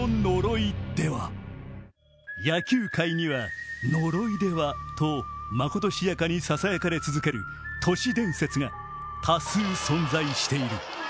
野球界には呪いではとまことしやかにささやかれ続ける都市伝説が多数存在している。